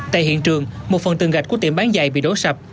tại hiện trường một phần tường gạch của tiệm bán giày bị đổ sập